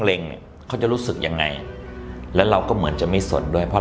เขาจะรู้สึกยังไงแล้วเราก็เหมือนจะไม่สนด้วยเพราะ